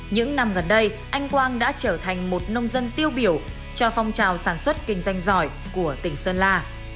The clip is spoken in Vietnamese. những năm gần đây anh quang đã trở thành một nông dân tiêu biểu cho phong trào sản xuất kinh doanh giỏi của tỉnh sơn la